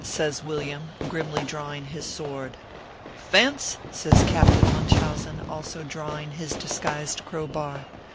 says Villiam, grimly drawing his sword. " Fence !" says Captain Munchausen, also drawing his disguised crowbar.